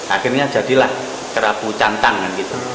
akhirnya jadilah kerapu cantangan